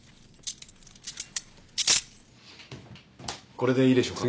これでいいでしょうか？